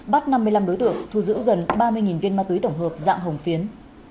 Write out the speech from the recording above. bắt năm mươi năm đối tượng thu giữ gần ba mươi viên ma túy tổng hợp dạng hồng phiến